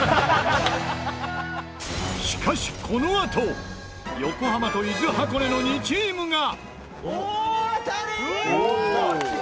しかしこのあと横浜と伊豆・箱根の２チームが。